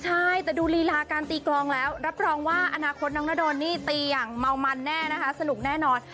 ใช่แต่ดูลีลาการตีกลองแล้วรับรองว่าอนาคตน้องนาโดนนี่ตีอย่างเมามันแน่นะคะสนุกแน่นอน